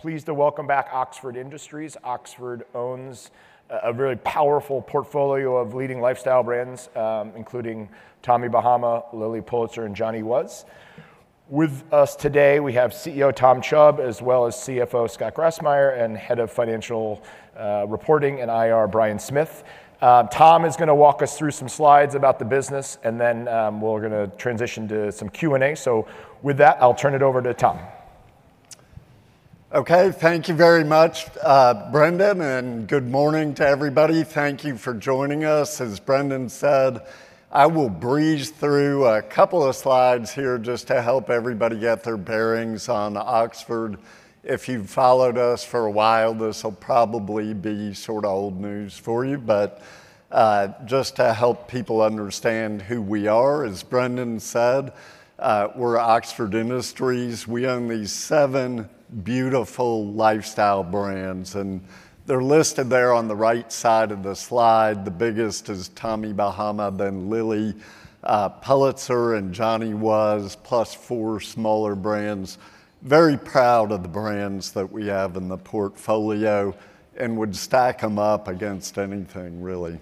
Pleased to welcome back Oxford Industries. Oxford owns a very powerful portfolio of leading lifestyle brands, including Tommy Bahama, Lilly Pulitzer, and Johnny Was. With us today, we have CEO Tom Chubb, as well as CFO Scott Grassmyer and Head of Financial Reporting and IR Brian Smith. Tom is going to walk us through some slides about the business, and then we're going to transition to some Q&A. So with that, I'll turn it over to Tom. Okay, thank you very much, Brendan, and good morning to everybody. Thank you for joining us. As Brendan said, I will breeze through a couple of slides here just to help everybody get their bearings on Oxford. If you've followed us for a while, this will probably be sort of old news for you. But just to help people understand who we are, as Brendan said, we're Oxford Industries. We own these seven beautiful lifestyle brands, and they're listed there on the right side of the slide. The biggest is Tommy Bahama, then Lilly Pulitzer and Johnny Was, plus four smaller brands. Very proud of the brands that we have in the portfolio and would stack them up against anything, really.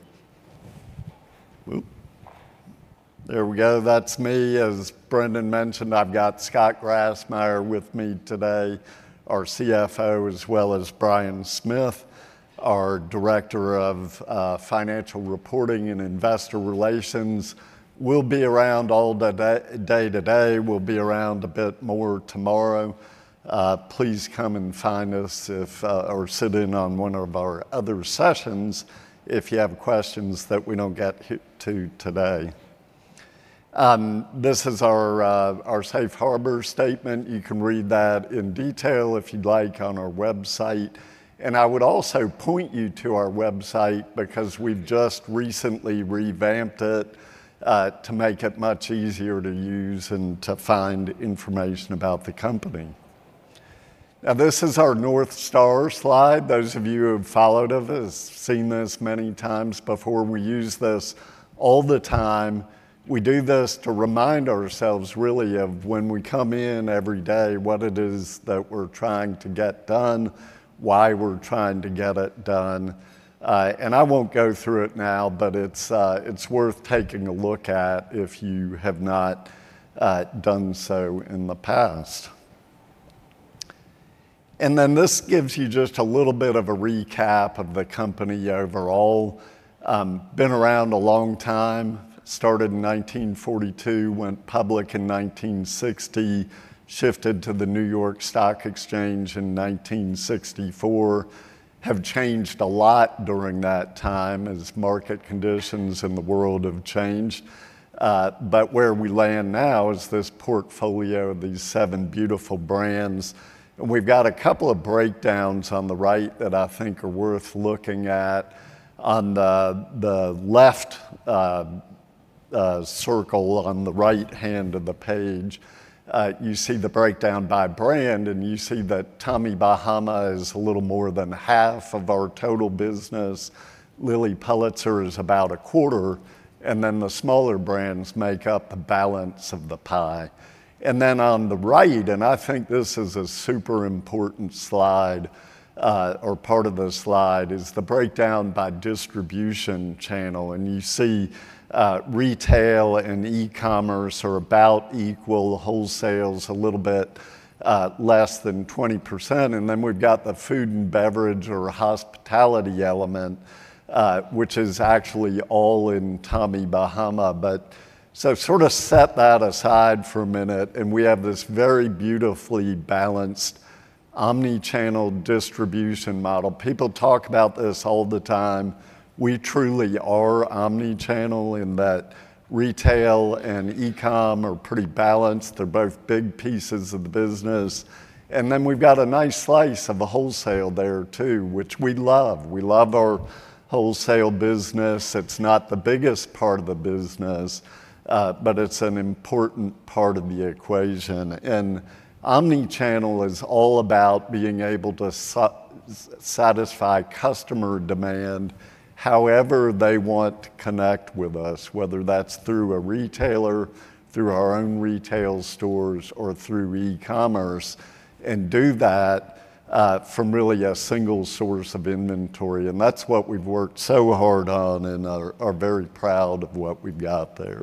There we go. That's me. As Brendan mentioned, I've got Scott Grassmyer with me today, our CFO, as well as Brian Smith, our Director of Financial Reporting and Investor Relations. We'll be around all day today. We'll be around a bit more tomorrow. Please come and find us or sit in on one of our other sessions if you have questions that we don't get to today. This is our Safe Harbor Statement. You can read that in detail if you'd like on our website. And I would also point you to our website because we've just recently revamped it to make it much easier to use and to find information about the company. Now, this is our North Star slide. Those of you who have followed us have seen this many times before. We use this all the time. We do this to remind ourselves, really, of when we come in every day, what it is that we're trying to get done, why we're trying to get it done, and I won't go through it now, but it's worth taking a look at if you have not done so in the past. And then this gives you just a little bit of a recap of the company overall, been around a long time. Started in 1942, went public in 1960, shifted to the New York Stock Exchange in 1964. Have changed a lot during that time as market conditions in the world have changed, but where we land now is this portfolio of these seven beautiful brands, and we've got a couple of breakdowns on the right that I think are worth looking at. On the left circle, on the right hand of the page, you see the breakdown by brand, and you see that Tommy Bahama is a little more than half of our total business. Lilly Pulitzer is about a quarter, and then the smaller brands make up the balance of the pie. Then on the right, and I think this is a super important slide or part of the slide, is the breakdown by distribution channel. You see retail and e-commerce are about equal. Wholesale is a little bit less than 20%. Then we've got the food and beverage or hospitality element, which is actually all in Tommy Bahama, but so sort of set that aside for a minute. We have this very beautifully balanced omnichannel distribution model. People talk about this all the time. We truly are omnichannel in that retail and e-com are pretty balanced. They're both big pieces of the business. And then we've got a nice slice of the wholesale there too, which we love. We love our wholesale business. It's not the biggest part of the business, but it's an important part of the equation. And omnichannel is all about being able to satisfy customer demand however they want to connect with us, whether that's through a retailer, through our own retail stores, or through e-commerce, and do that from really a single source of inventory. And that's what we've worked so hard on and are very proud of what we've got there.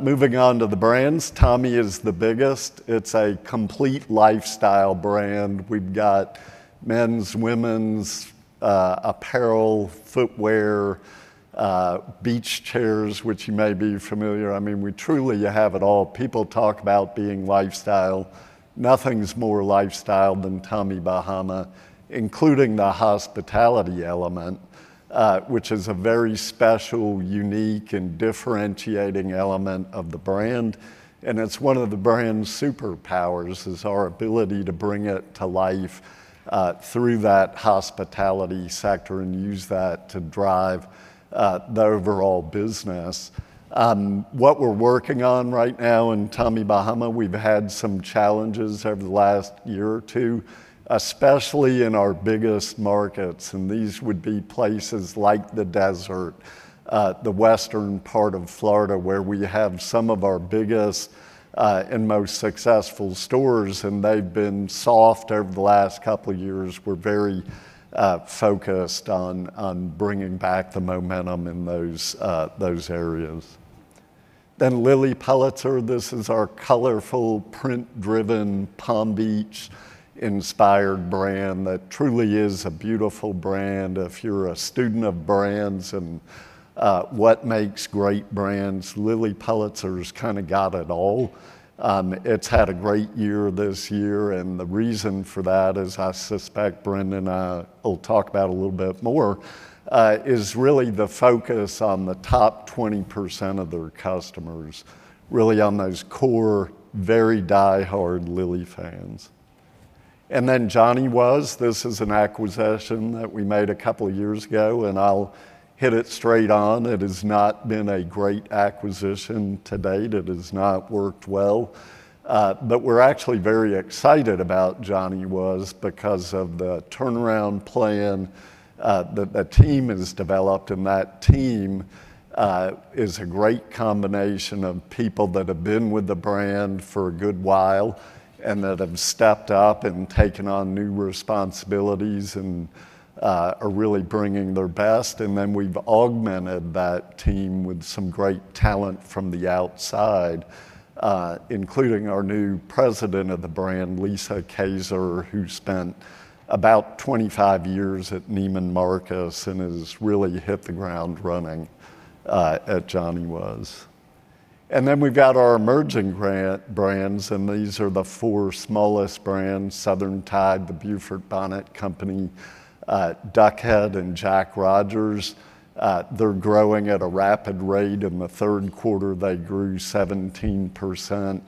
Moving on to the brands, Tommy is the biggest. It's a complete lifestyle brand. We've got men's, women's, apparel, footwear, beach chairs, which you may be familiar with. I mean, we truly have it all. People talk about being lifestyle. Nothing's more lifestyle than Tommy Bahama, including the hospitality element, which is a very special, unique, and differentiating element of the brand. And it's one of the brand's superpowers is our ability to bring it to life through that hospitality sector and use that to drive the overall business. What we're working on right now in Tommy Bahama, we've had some challenges over the last year or two, especially in our biggest markets. And these would be places like the desert, the western part of Florida, where we have some of our biggest and most successful stores. And they've been soft over the last couple of years. We're very focused on bringing back the momentum in those areas. Then Lilly Pulitzer. This is our colorful, print-driven, Palm Beach-inspired brand that truly is a beautiful brand. If you're a student of brands and what makes great brands, Lilly Pulitzer's kind of got it all. It's had a great year this year. And the reason for that, as I suspect Brendan will talk about a little bit more, is really the focus on the top 20% of their customers, really on those core, very die-hard Lilly fans. And then Johnny Was. This is an acquisition that we made a couple of years ago, and I'll hit it straight on. It has not been a great acquisition to date. It has not worked well. But we're actually very excited about Johnny Was because of the turnaround plan that the team has developed. And that team is a great combination of people that have been with the brand for a good while and that have stepped up and taken on new responsibilities and are really bringing their best. And then we've augmented that team with some great talent from the outside, including our new president of the brand, Lisa Kayser, who spent about 25 years at Neiman Marcus and has really hit the ground running at Johnny Was. And then we've got our emerging brands. And these are the four smallest brands: Southern Tide, The Beaufort Bonnet Company, Duck Head, and Jack Rogers. They're growing at a rapid rate. In the third quarter, they grew 17%.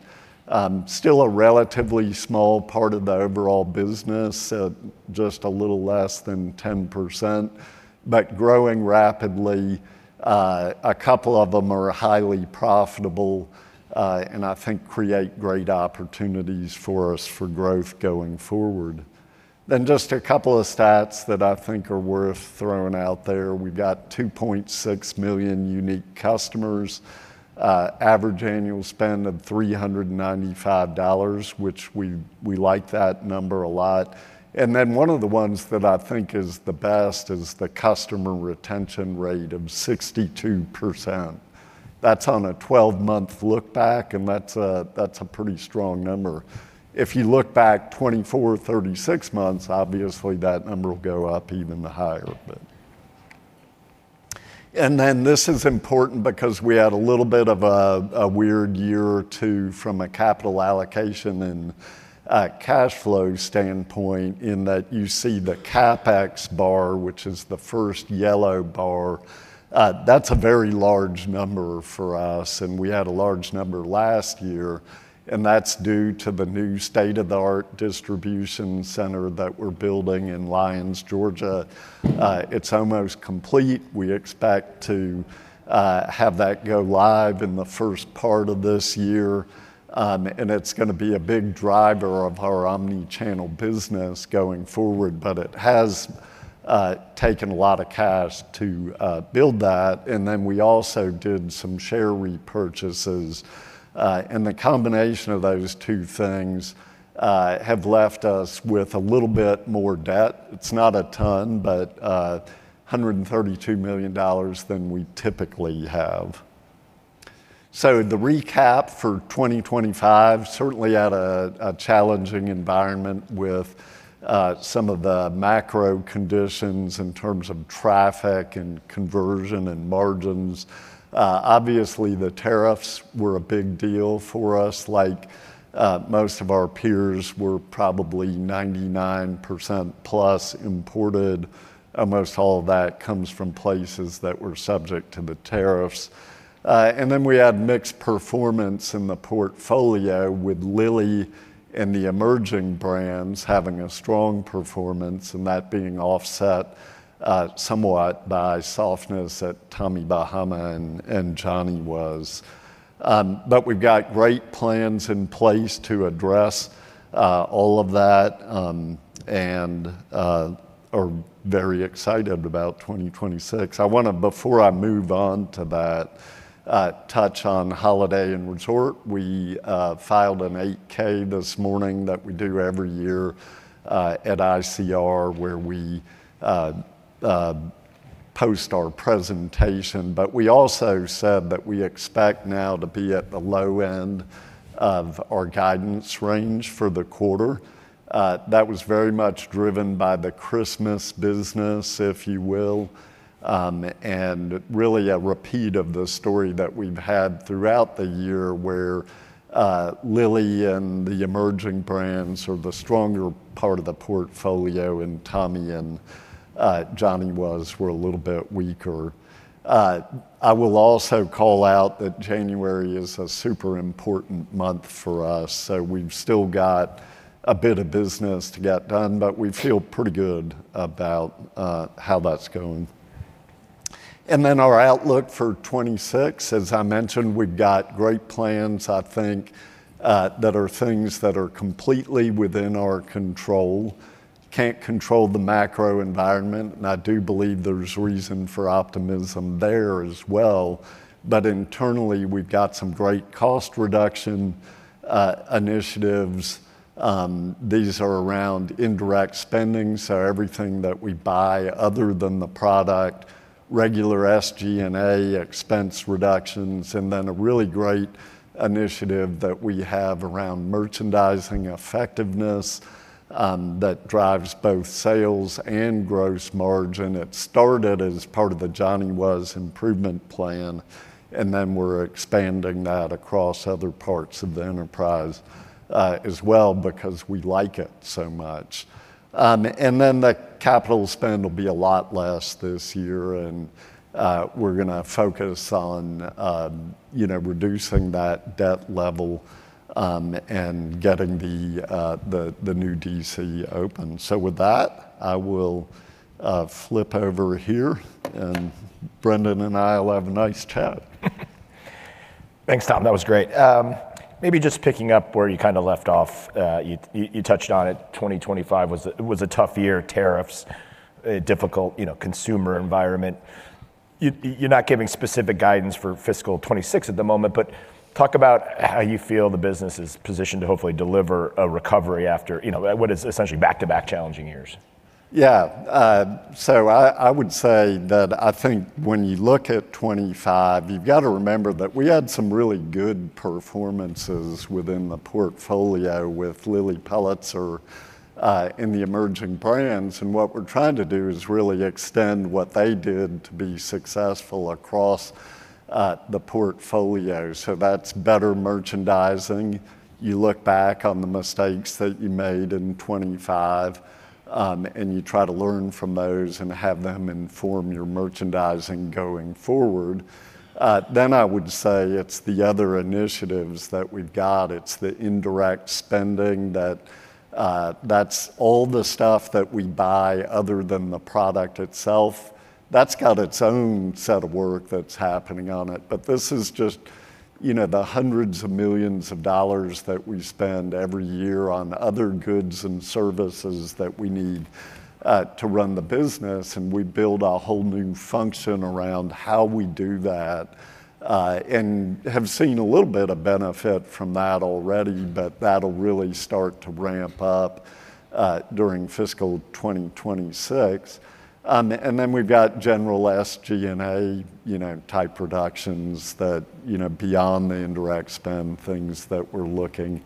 Still a relatively small part of the overall business, just a little less than 10%, but growing rapidly. A couple of them are highly profitable and I think create great opportunities for us for growth going forward. Then just a couple of stats that I think are worth throwing out there. We've got 2.6 million unique customers, average annual spend of $395, which we like that number a lot. And then one of the ones that I think is the best is the customer retention rate of 62%. That's on a 12-month lookback, and that's a pretty strong number. If you look back 24, 36 months, obviously that number will go up even higher. And then this is important because we had a little bit of a weird year or two from a capital allocation and cash flow standpoint in that you see the CapEx bar, which is the first yellow bar. That's a very large number for us, and we had a large number last year. And that's due to the new state-of-the-art distribution center that we're building in Lyons, Georgia. It's almost complete. We expect to have that go live in the first part of this year. And it's going to be a big driver of our omnichannel business going forward, but it has taken a lot of cash to build that. And then we also did some share repurchases. And the combination of those two things have left us with a little bit more debt. It's not a ton, but $132 million than we typically have. So the recap for 2025, certainly at a challenging environment with some of the macro conditions in terms of traffic and conversion and margins. Obviously, the tariffs were a big deal for us. Like most of our peers, we're probably 99% plus imported. Almost all of that comes from places that were subject to the tariffs. And then we had mixed performance in the portfolio with Lilly and the emerging brands having a strong performance and that being offset somewhat by softness at Tommy Bahama and Johnny Was. But we've got great plans in place to address all of that and are very excited about 2026. I want to, before I move on to that, touch on holiday and resort. We filed an 8-K this morning that we do every year at ICR, where we post our presentation. But we also said that we expect now to be at the low end of our guidance range for the quarter. That was very much driven by the Christmas business, if you will, and really a repeat of the story that we've had throughout the year where Lilly and the emerging brands are the stronger part of the portfolio and Tommy and Johnny Was were a little bit weaker. I will also call out that January is a super important month for us. So we've still got a bit of business to get done, but we feel pretty good about how that's going. And then our outlook for 2026, as I mentioned, we've got great plans, I think, that are things that are completely within our control. Can't control the macro environment. And I do believe there's reason for optimism there as well. But internally, we've got some great cost reduction initiatives. These are around indirect spending. So everything that we buy other than the product, regular SG&A expense reductions, and then a really great initiative that we have around merchandising effectiveness that drives both sales and gross margin. It started as part of the Johnny Was improvement plan, and then we're expanding that across other parts of the enterprise as well because we like it so much. And then the capital spend will be a lot less this year, and we're going to focus on reducing that debt level and getting the new DC open. So with that, I will flip over here, and Brendan and I will have a nice chat. Thanks, Tom. That was great. Maybe just picking up where you kind of left off, you touched on it. 2025 was a tough year, tariffs, difficult consumer environment. You're not giving specific guidance for fiscal 2026 at the moment, but talk about how you feel the business is positioned to hopefully deliver a recovery after what is essentially back-to-back challenging years. Yeah. So I would say that I think when you look at 2025, you've got to remember that we had some really good performances within the portfolio with Lilly Pulitzer in the emerging brands. And what we're trying to do is really extend what they did to be successful across the portfolio. So that's better merchandising. You look back on the mistakes that you made in 2025, and you try to learn from those and have them inform your merchandising going forward. Then I would say it's the other initiatives that we've got. It's the indirect spending that's all the stuff that we buy other than the product itself. That's got its own set of work that's happening on it. But this is just the hundreds of millions of dollars that we spend every year on other goods and services that we need to run the business. And we build a whole new function around how we do that and have seen a little bit of benefit from that already, but that'll really start to ramp up during fiscal 2026. And then we've got general SG&A type reductions that, beyond the indirect spend, things that we're looking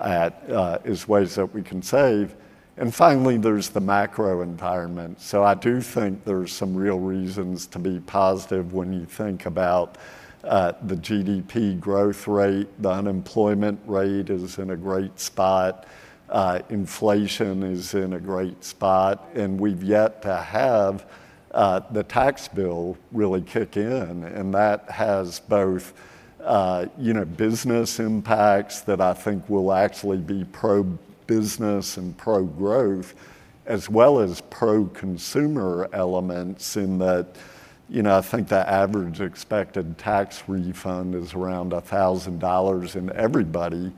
at as ways that we can save. And finally, there's the macro environment. So I do think there's some real reasons to be positive when you think about the GDP growth rate. The unemployment rate is in a great spot. Inflation is in a great spot. And we've yet to have the tax bill really kick in. And that has both business impacts that I think will actually be pro-business and pro-growth, as well as pro-consumer elements in that I think the average expected tax refund is around $1,000, and everybody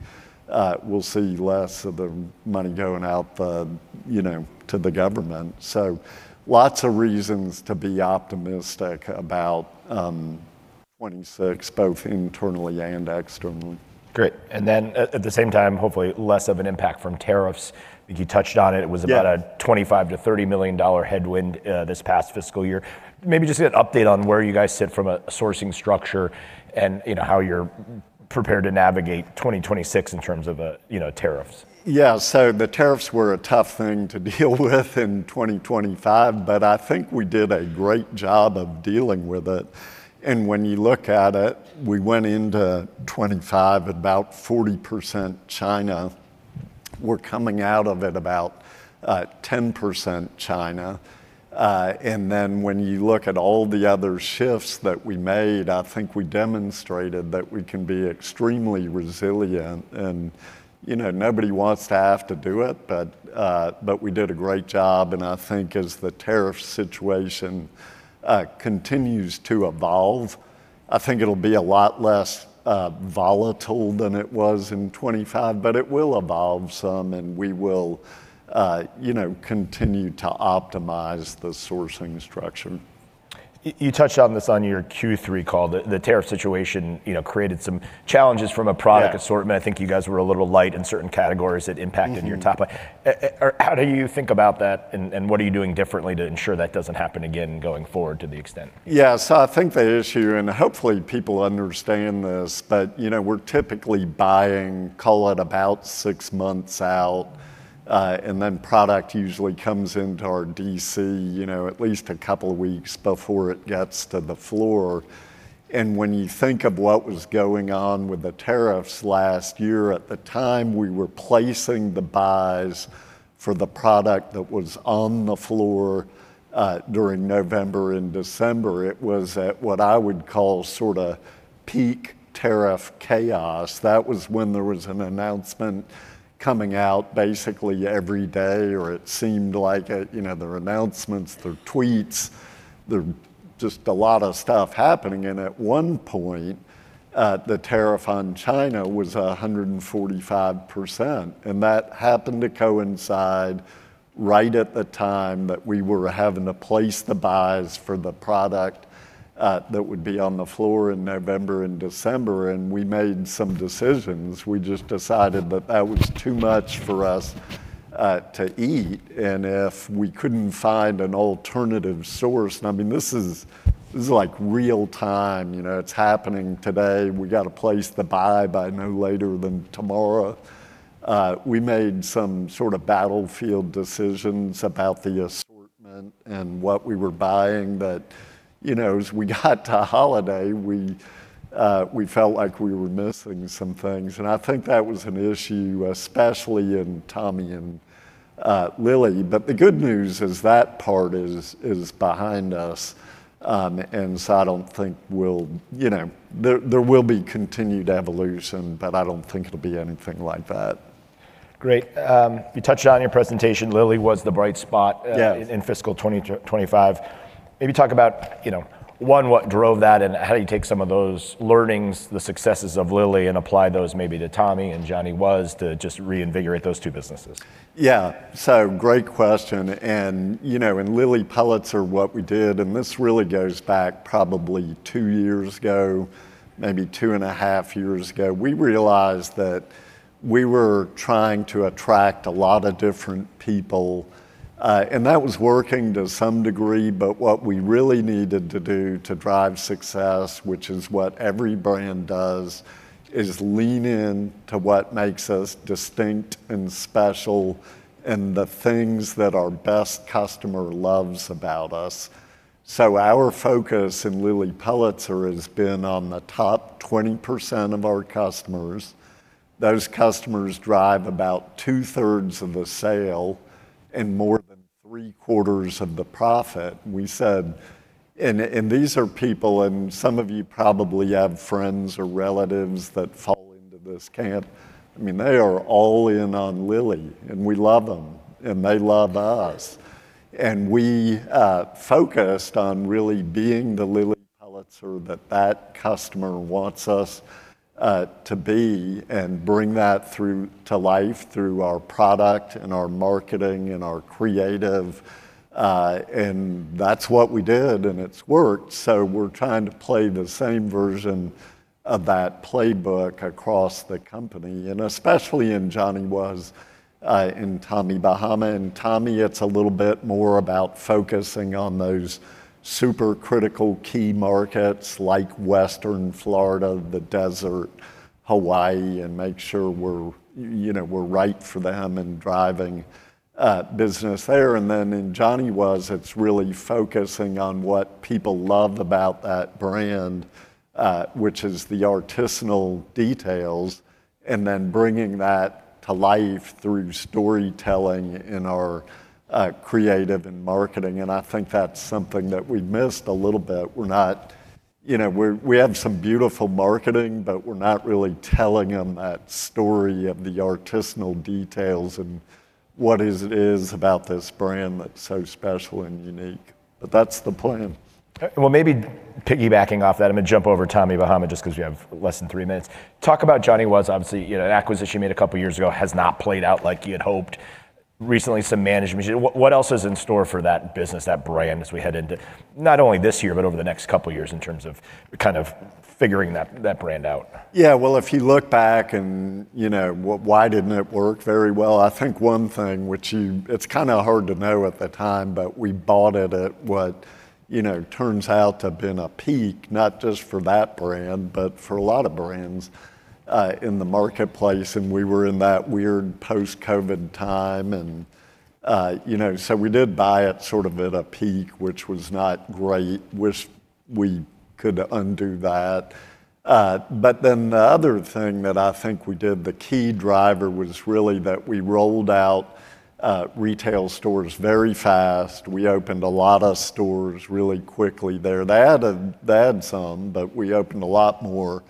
will see less of the money going out to the government. So lots of reasons to be optimistic about 2026, both internally and externally. Great. And then at the same time, hopefully less of an impact from tariffs. I think you touched on it. It was about a $25 million-$30 million headwind this past fiscal year. Maybe just an update on where you guys sit from a sourcing structure and how you're prepared to navigate 2026 in terms of tariffs. Yeah, so the tariffs were a tough thing to deal with in 2025, but I think we did a great job of dealing with it, and when you look at it, we went into 2025 at about 40% China. We're coming out of it about 10% China, and then when you look at all the other shifts that we made, I think we demonstrated that we can be extremely resilient, and nobody wants to have to do it, but we did a great job. I think as the tariff situation continues to evolve, I think it'll be a lot less volatile than it was in 2025, but it will evolve some, and we will continue to optimize the sourcing structure. You touched on this on your Q3 call. The tariff situation created some challenges from a product assortment. I think you guys were a little light in certain categories that impacted your top line. How do you think about that, and what are you doing differently to ensure that doesn't happen again going forward to the extent? Yeah. So I think the issue, and hopefully people understand this, but we're typically buying, call it about six months out. And then product usually comes into our DC at least a couple of weeks before it gets to the floor. And when you think of what was going on with the tariffs last year, at the time we were placing the buys for the product that was on the floor during November and December, it was at what I would call sort of peak tariff chaos. That was when there was an announcement coming out basically every day, or it seemed like their announcements, their tweets. There's just a lot of stuff happening. And at one point, the tariff on China was 145%. And that happened to coincide right at the time that we were having to place the buys for the product that would be on the floor in November and December. And we made some decisions. We just decided that that was too much for us to eat. And if we couldn't find an alternative source, and I mean, this is like real time. It's happening today. We got to place the buy by no later than tomorrow. We made some sort of battlefield decisions about the assortment and what we were buying, but as we got to holiday, we felt like we were missing some things. And I think that was an issue, especially in Tommy and Lilly, but the good news is that part is behind us. And so I don't think there will be continued evolution, but I don't think it'll be anything like that. Great. You touched on your presentation. Lilly was the bright spot in fiscal 2025. Maybe talk about, one, what drove that, and how do you take some of those learnings, the successes of Lilly, and apply those maybe to Tommy and Johnny Was to just reinvigorate those two businesses? Yeah. So, great question, and Lilly Pulitzer, what we did. This really goes back probably two years ago, maybe two and a half years ago. We realized that we were trying to attract a lot of different people. That was working to some degree, but what we really needed to do to drive success, which is what every brand does, is lean into what makes us distinct and special and the things that our best customer loves about us. Our focus in Lilly Pulitzer has been on the top 20% of our customers. Those customers drive about two-thirds of the sale and more than three-quarters of the profit. These are people, and some of you probably have friends or relatives that fall into this camp. I mean, they are all in on Lilly, and we love them, and they love us. And we focused on really being the Lilly Pulitzer that that customer wants us to be and bring that through to life through our product and our marketing and our creative. And that's what we did, and it's worked. So we're trying to play the same version of that playbook across the company, and especially in Johnny Was and Tommy Bahama. And Tommy, it's a little bit more about focusing on those super critical key markets like Western Florida, the desert, Hawaii, and make sure we're right for them and driving business there. And then in Johnny Was, it's really focusing on what people love about that brand, which is the artisanal details, and then bringing that to life through storytelling in our creative and marketing. And I think that's something that we missed a little bit. We have some beautiful marketing, but we're not really telling them that story of the artisanal details and what it is about this brand that's so special and unique. But that's the plan. Well, maybe piggybacking off that, I'm going to jump over to Tommy Bahama just because we have less than three minutes. Talk about Johnny Was. Obviously, an acquisition you made a couple of years ago has not played out like you had hoped. Recently, some management. What else is in store for that business, that brand, as we head into not only this year, but over the next couple of years in terms of kind of figuring that brand out? Yeah. Well, if you look back and why didn't it work very well? I think one thing, which it's kind of hard to know at the time, but we bought it at what turns out to have been a peak, not just for that brand, but for a lot of brands in the marketplace. And we were in that weird post-COVID time. And so we did buy it sort of at a peak, which was not great, which we could undo that. But then the other thing that I think we did, the key driver was really that we rolled out retail stores very fast. We opened a lot of stores really quickly there. They added some, but we opened a lot more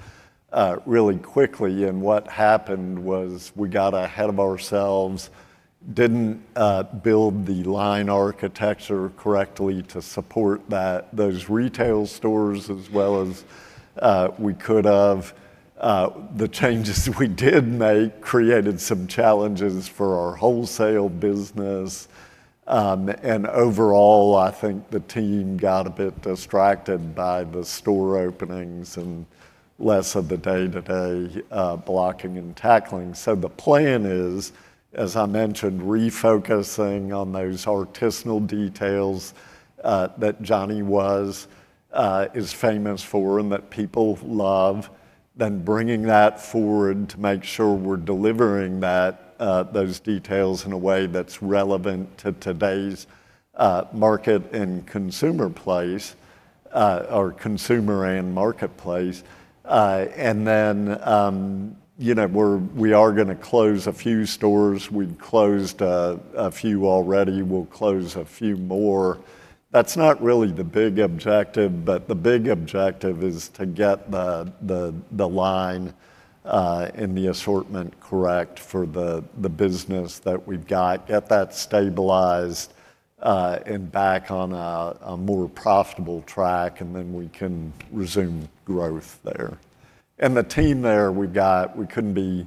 really quickly. And what happened was we got ahead of ourselves, didn't build the line architecture correctly to support those retail stores as well as we could have. The changes we did make created some challenges for our wholesale business. Overall, I think the team got a bit distracted by the store openings and less of the day-to-day blocking and tackling. The plan is, as I mentioned, refocusing on those artisanal details that Johnny Was is famous for and that people love, then bringing that forward to make sure we're delivering those details in a way that's relevant to today's market and consumer place or consumer and marketplace. We are going to close a few stores. We've closed a few already. We'll close a few more. That's not really the big objective, but the big objective is to get the line in the assortment correct for the business that we've got, get that stabilized and back on a more profitable track, and then we can resume growth there. The team there, we couldn't be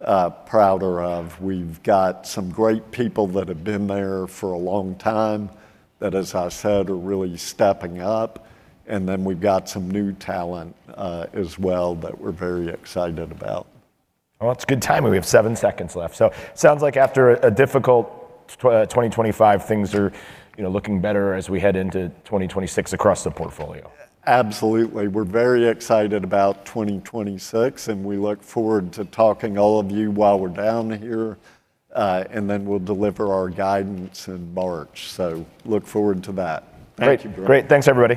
prouder of. We've got some great people that have been there for a long time that, as I said, are really stepping up, and then we've got some new talent as well that we're very excited about. Well, it's a good time. We have seven seconds left, so it sounds like after a difficult 2025, things are looking better as we head into 2026 across the portfolio. Absolutely. We're very excited about 2026, and we look forward to talking to all of you while we're down here, and then we'll deliver our guidance in March, so look forward to that. Thank you, Greg. Great. Thanks, everybody.